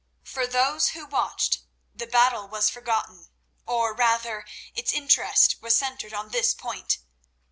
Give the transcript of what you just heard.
For those who watched the battle was forgotten—or, rather, its interest was centred on this point.